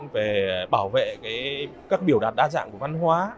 về bảo vệ các biểu đạt đa dạng của văn hóa